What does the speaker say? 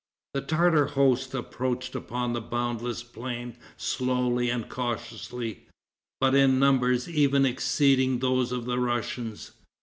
The Tartar host approached upon the boundless plain slowly and cautiously, but in numbers even exceeding those of the Russians.